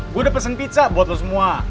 gue udah pesen pizza buat lo semua